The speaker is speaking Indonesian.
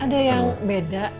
ada yang beda